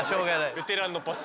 ベテランのパス。